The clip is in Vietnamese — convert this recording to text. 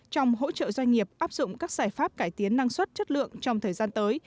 trong hỗ trợ doanh nghiệp áp dụng các giải pháp cải tiến năng suất chất lượng trong thời gian tới